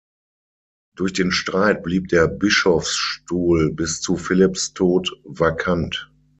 Durch den Streit blieb der Bischofsstuhl bis zu Philips Tod vakant.